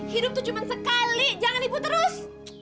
hidup tuh cuma sekali jangan ikut terus